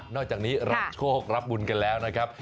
อกจากนี้รับโชครับบุญกันแล้วนะครับ